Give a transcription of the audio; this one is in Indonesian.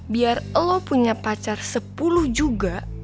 biar lo punya pacar sepuluh juga